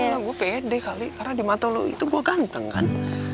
iya lah gue pede kali karena di mata lu itu gue ganteng kan